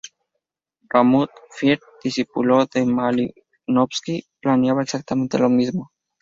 Raymond Firth, discípulo de Malinowski, plantea exactamente lo mismo.